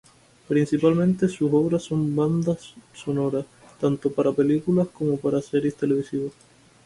Principalmente, sus obras son bandas sonoras, tanto para películas como para series televisivas.